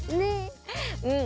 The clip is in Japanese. うん。